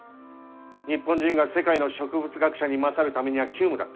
日本人が世界の植物学者に勝るためには急務だった。